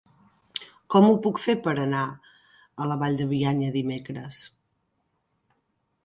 Com ho puc fer per anar a la Vall de Bianya dimecres?